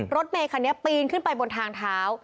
รถเมคันนี้ปีนขึ้นไปบนทางเท้า